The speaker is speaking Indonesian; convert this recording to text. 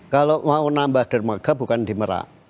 kalau mau nambah dermaga bukan di merak